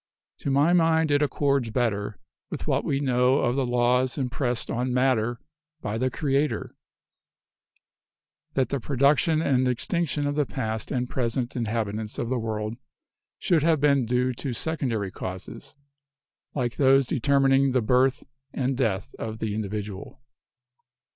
To my mind it accords better with what we know of the laws impressed on matter by the Creator, that the production and extinction of the past and present inhabitants of the world should have been due to secondary causes, like those determining the birth' and death of the individual.